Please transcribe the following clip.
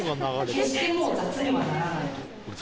決してもう雑にはならないと思う。